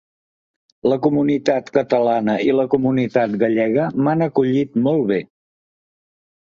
La comunitat catalana i la comunitat gallega m’han acollit molt bé.